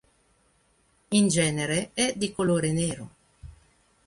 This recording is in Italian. In genere è di colore nero.